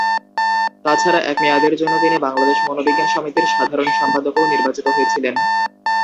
তাছাড়া এক মেয়াদের জন্য তিনি বাংলাদেশ মনোবিজ্ঞান সমিতির সাধারণ সম্পাদকও নির্বাচিত হয়েছিলেন।